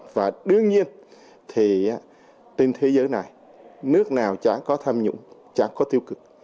và đương nhiên thì trên thế giới này nước nào chán có tham nhũng chẳng có tiêu cực